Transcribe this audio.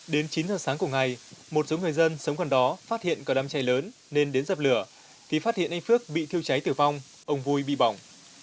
đến chín giờ sáng cùng ngày một số người dân sống gần đó phát hiện có đám cháy lớn nên đến dập lửa thì phát hiện anh phước bị thiêu cháy tử vong ông vui bị bỏng